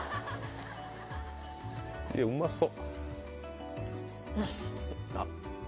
うまそう。